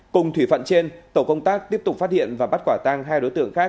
cùng thủy phận trên tổ công tác tiếp tục phát hiện và bắt quả tang hai đối tượng khác